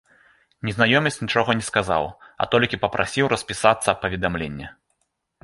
Незнаёмец нічога не сказаў, а толькі папрасіў распісацца аб паведамленні.